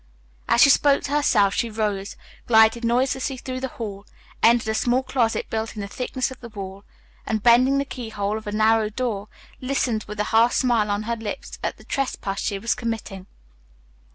As she spoke to herself she rose, glided noiselessly through the hall, entered a small closet built in the thickness of the wall, and, bending to the keyhole of a narrow door, listened with a half smile on her lips at the trespass she was committing.